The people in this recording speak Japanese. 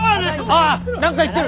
ああ何か言ってる。